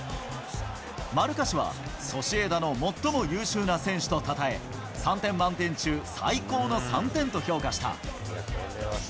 マルカ紙は、ソシエダの最も優秀な選手とたたえ、３点満点中、最高の３点と評価した。